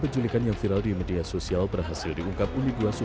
bahwa ternyata adanya kesalahpahaman yang terjadi